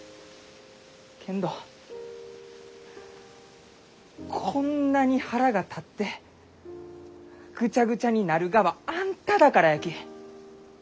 けんどこんなに腹が立ってぐちゃぐちゃになるがはあんただからやき。